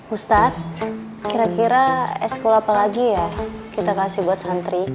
ustadz kira kira eskul apa lagi ya kita kasih buat santri